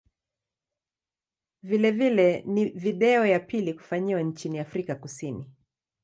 Vilevile ni video ya pili kufanyiwa nchini Afrika Kusini.